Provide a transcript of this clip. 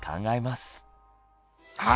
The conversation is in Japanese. はい。